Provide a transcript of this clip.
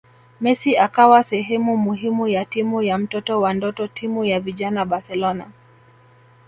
Messi akawa sehemu muhimu ya Timu ya mtoto wa ndoto timu ya vijana Barcelona